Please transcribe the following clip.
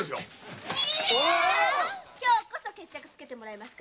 今日こそ決着をつけてもらいます。